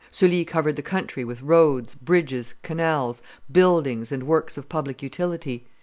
Sully covered the country with roads, bridges, canals, buildings, and works of public utility.